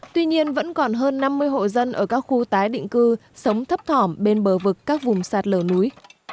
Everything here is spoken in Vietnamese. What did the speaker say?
tuy nhiên vẫn còn hơn năm mươi hộ dân ở các khu tái định cư sống thấp thỏm bên bờ vực các vùng sạt lở núi